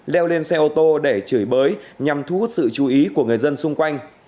leo lên xe ô tô để chửi bới nhằm thu hút sự chú ý của người dân xung quanh